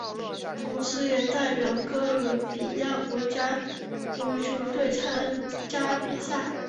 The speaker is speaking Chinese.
同时也代表哥伦比亚国家足球队参加比赛。